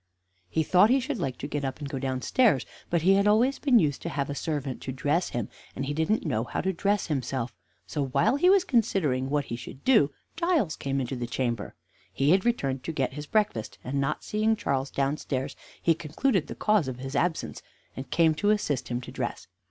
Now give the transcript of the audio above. He thought he should like to get up and go downstairs, but he had always been used to have a servant to dress him, and he did not know how to dress himself, so while he was considering what he should do Giles came into the chamber. He had returned to get his breakfast, and not seeing Charles downstairs he concluded the cause of his absence, and came to assist him to dress.